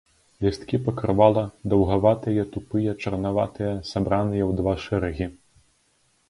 Лісткі пакрывала даўгаватыя, тупыя, чарнаватыя, сабраныя ў два шэрагі.